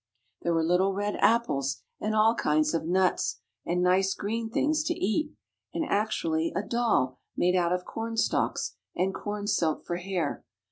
There were little red apples, and all kinds of nuts, and nice green things to eat, and actually, a doll, made out of cornstalks, and corn silk for hair.